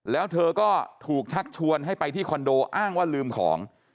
แล้วเธอก็ถูกชักชวนให้ไปที่คอนโดอ้างว่าลืมของ